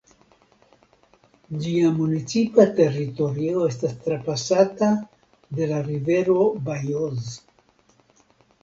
Ĝia municipa teritorio estas trapasata de la rivero Bajoz.